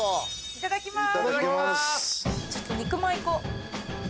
いただきます！